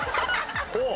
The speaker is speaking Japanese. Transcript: ほう！